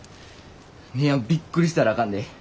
姉やんびっくりしたらあかんで。